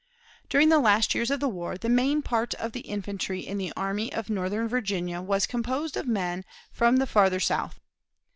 During the last years of the war the main part of the infantry in the Army of Northern Virginia was composed of men from the farther South.